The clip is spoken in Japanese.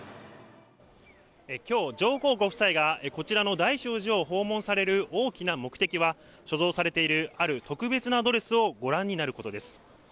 きょう、上皇ご夫妻がこちらの大聖寺を訪問される大きな目的は、所蔵されているある特別なドレスをご覧になることです。